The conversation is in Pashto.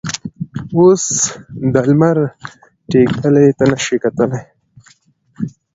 اوس د لمر ټیکلي ته نه شم کتلی.